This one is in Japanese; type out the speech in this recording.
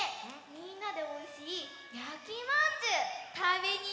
みんなでおいしいやきまんじゅうたべにいかない？